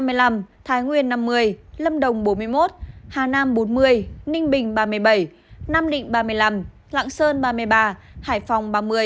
gia lai năm mươi năm thái nguyên năm mươi lâm đồng bốn mươi một hà nam bốn mươi ninh bình ba mươi bảy nam định ba mươi năm lạng sơn ba mươi ba hải phòng ba mươi